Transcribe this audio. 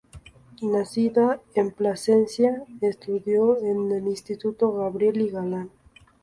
Nacida en Plasencia, estudió en el Instituto Gabriel y Galán.